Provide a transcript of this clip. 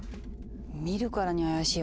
見るからに怪しいわね。